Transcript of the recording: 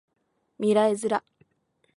未来ズラ